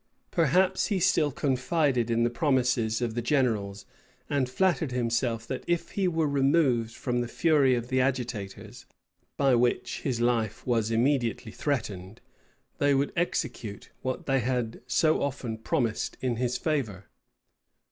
Perhaps he still confided in the promises of the generals; and flattered himself, that if he were removed from the fury of the agitators, by which his life was immediately threatened, they would execute what they had so often promised in his favor.